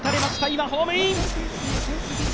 今ホームイン。